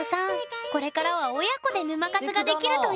これからは親子で沼活ができるといいね！